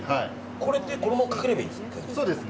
これって、このままかければいいですか。